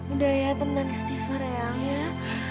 udah ya tenang istighfar ayah